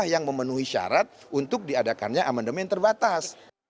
yang memenuhi syarat untuk diadakannya amandemen terbatas